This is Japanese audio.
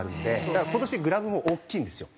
だから今年グラブも大きいんですよ。